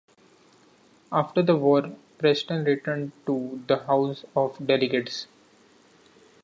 After the war Preston returned to the House of Delegates.